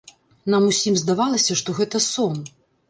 Нам усім здавалася, што гэта сон.